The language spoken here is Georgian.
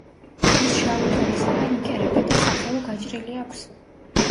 ის შავი ტოლისაგან იკერება და სახელო გაჭრილი აქვს.